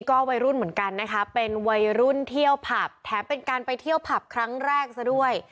ก็วัยรุ่นเหมือนกันนะคะเป็นวัยรุ่นเที่ยวผับแถมเป็นการไปเที่ยวผับครั้งแรกซะด้วย